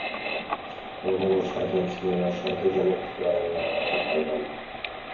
جۇڭگونىڭ شەرقىي قىسمى ۋە شەرقىي جەنۇبىدىكى رايونلارغا تارقالغان.